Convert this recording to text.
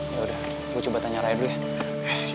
ya udah gue coba tanya rai dulu ya